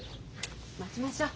待ちましょう。